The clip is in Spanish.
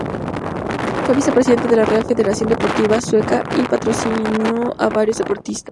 Fue presidente de la Real Federación Deportiva Sueca y patrocinó a varios deportistas.